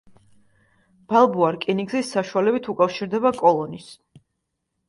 ბალბოა რკინიგზის საშუალებით უკავშირდება კოლონის.